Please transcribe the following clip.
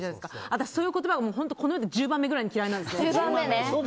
私、そういう言葉この世で１０番目ぐらいに嫌いなんですよね。